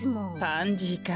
パンジーか。